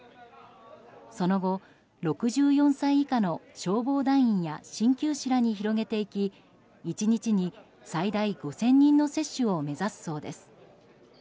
その後、６４歳以下の消防団員や鍼灸師らに広げていき１日に最大５０００人の接種を目指すそうです。